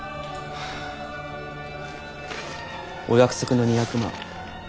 お約束の２００万